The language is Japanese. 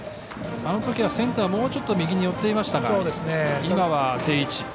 あのときはセンターもうちょっと右に寄っていましたが今は定位置。